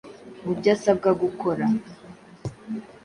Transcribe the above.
mu byo asabwa gukora.